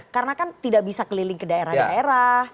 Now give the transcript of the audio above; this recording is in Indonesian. karena kan tidak bisa keliling ke daerah daerah